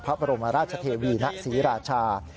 พระบรมราชเทวีณศรีราชา